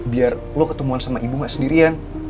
biar lo ketemuan sama ibu gak sendirian